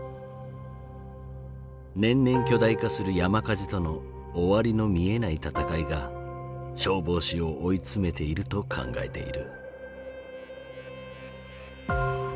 年々巨大化する山火事との終わりの見えない闘いが消防士を追い詰めていると考えている。